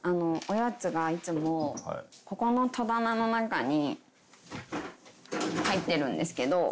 おやつがいつもここの戸棚の中に入ってるんですけど。